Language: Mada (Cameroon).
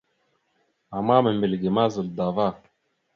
Ama membilge ma zal dava.